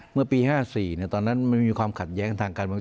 เมื่อปี๕๔ตอนนั้นมันมีความขัดแย้งทางการเมือง